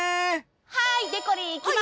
はい！でこりんいきます！